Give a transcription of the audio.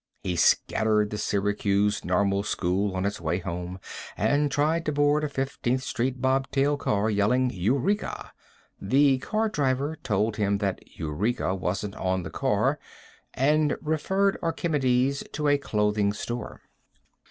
He scattered the Syracuse Normal school on its way home, and tried to board a Fifteenth street bob tail car, yelling "Eureka!" The car driver told him that Eureka wasn't on the car, and referred Archimedes to a clothing store.